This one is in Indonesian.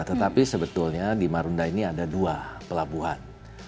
tetapi sebetulnya di marunda ini ada dua pelabuhan